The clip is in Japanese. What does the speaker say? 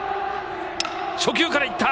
初球からいった！